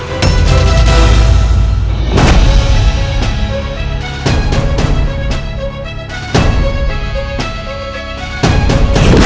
dia harus dihentikan